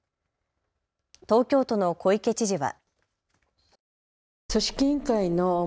東京都の小池知事は。